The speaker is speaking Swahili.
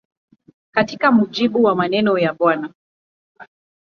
Katika mujibu wa maneno ya Bw.